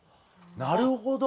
なるほど！